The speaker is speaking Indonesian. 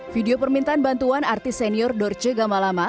video permintaan bantuan artis senior dorce gamalama